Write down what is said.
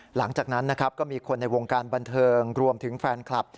หลังจากนั้นนะครับก็มีคนในวงการบันเทิงรวมถึงแฟนคลับ